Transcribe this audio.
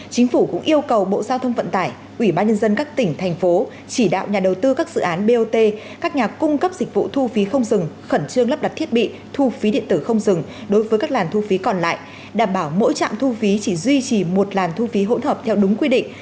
chính phủ cũng yêu cầu bộ giao thông vận tải ủy ban nhân dân các tỉnh thành phố chỉ đạo nhà đầu tư các dự án bot các nhà cung cấp dịch vụ thu phí không dừng khẩn trương lắp đặt thiết bị thu phí điện tử không dừng đối với các làn thu phí còn lại đảm bảo mỗi trạm thu phí chỉ duy trì một làn thu phí hỗn hợp theo đúng quy định